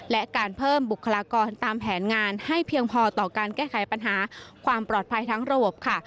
และการเพิ่มบุคลากรตามแผนงานให้เพียงพอต่อการแก้ไขปัญหาความปลอดภัยทั้งระบบค่ะ